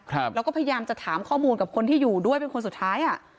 ครับแล้วก็พยายามจะถามข้อมูลกับคนที่อยู่ด้วยเป็นคนสุดท้ายอ่ะ